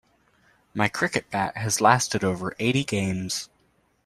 My cricket bat has lasted over eighty games.